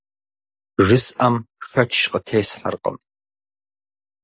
Жысӏэм шэч къытесхьэркъым.